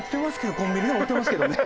コンビニでも売ってますけどね。